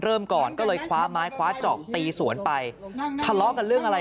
เริ่มก่อนก็เลยคว้าไม้คว้าเจาะตีสวนไปทะเลาะกันเรื่องอะไร